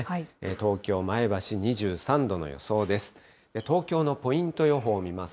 東京、前橋、２３度の予想です。